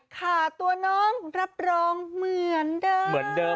ข้าตัวน้องรับรองเหมือนเดิม